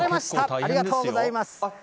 ありがとうございます。